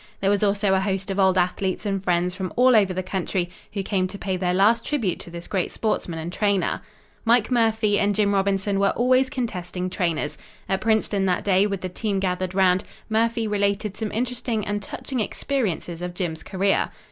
There was also a host of old athletes and friends from all over the country who came to pay their last tribute to this great sportsman and trainer. Mike Murphy and Jim Robinson were always contesting trainers. At Princeton that day with the team gathered around, Murphy related some interesting and touching experiences of Jim's career.